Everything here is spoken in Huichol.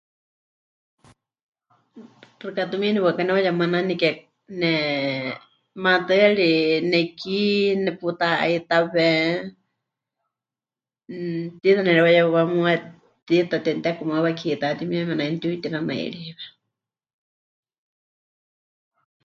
Xɨka tumiini waɨká ne'uyemananike me... maatɨari neki neputa'aitawe, mmm, tiita nemɨreuyehɨwá muuwa, tiita temɨtekumaiwa kiitá timieme nai nepɨtiuyutinanairíewe.